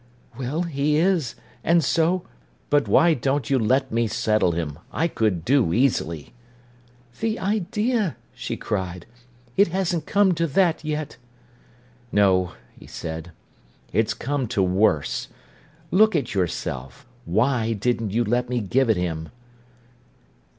"Well, he is—and so—" "But why don't you let me settle him? I could do, easily." "The idea!" she cried. "It hasn't come to that yet." "No," he said, "it's come to worse. Look at yourself. Why didn't you let me give it him?"